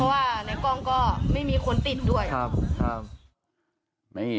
เพราะว่าในกล้องก็ไม่มีคนติดด้วยเพราะว่าในกล้องก็ไม่มีคนติดด้วย